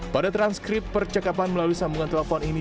pada transkrip percakapan melalui sambungan telepon ini